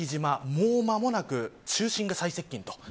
もう間もなく、中心が最接近と。